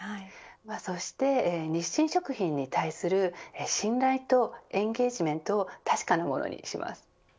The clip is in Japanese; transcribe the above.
そして日清食品に対する信頼とエンゲージメントを確かなものにします。